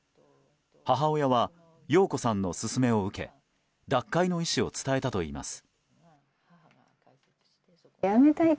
母親は容子さんの勧めを受け脱会の意思を伝えたといいます。